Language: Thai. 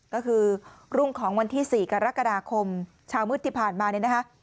ก็คือรุ่งของวันที่๔กรกฎาคมเช้ามืดที่ผ่านมาเนี่ยนะคะ